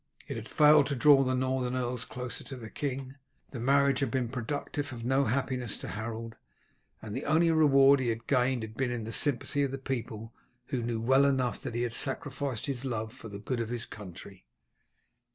It had failed to draw the Northern earls closer to the king. The marriage had been productive of no happiness to Harold, and the only reward he had gained had been in the sympathy of the people, who knew well enough that he had sacrificed his love for the good of his country.